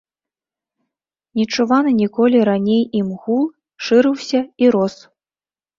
Нечуваны ніколі раней ім гул шырыўся і рос.